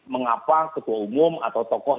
mengapa ketua umum atau tokoh